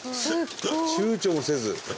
ちゅうちょもせず。